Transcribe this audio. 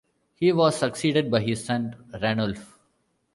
He was succeeded by his son, Ranulf.